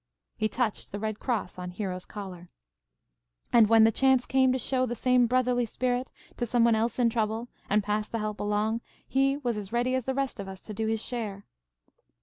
He touched the Red Cross on Hero's collar. "And when the chance came to show the same brotherly spirit to some one else in trouble and pass the help along, he was as ready as the rest of us to do his share.